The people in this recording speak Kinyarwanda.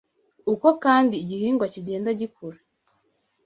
Uko kandi igihingwa kigenda gikura